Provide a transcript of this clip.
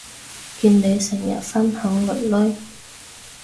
見你成日分享囡囡